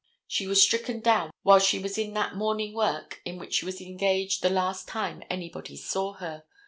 She was stricken down while she was in that morning work in which she was engaged the last time anybody saw her.